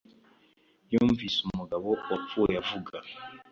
Yumvise umugabo wapfuye avuga -